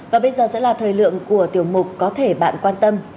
và bây giờ sẽ là thời lượng của tiểu mục có thể bạn quan tâm